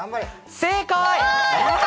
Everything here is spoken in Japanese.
正解！